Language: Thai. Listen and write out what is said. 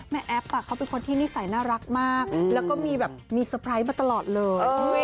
แม่แอฟเขาเป็นคนที่นิสัยน่ารักมากแล้วก็รอบมาตลอดเลย